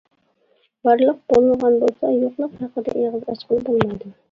بارلىق بولمىغان بولسا يوقلۇق ھەققىدە ئېغىز ئاچقىلى بولمايدۇ.